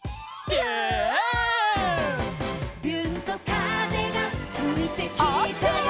「びゅーんと風がふいてきたよ」